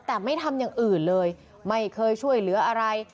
แต่ไม่ทำอย่างอื่นเลยไม่เคยช่วยเหลืออะไร